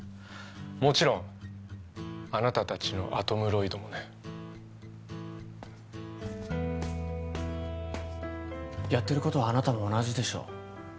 もちろんあなた達のアトムロイドもねやってることはあなたも同じでしょう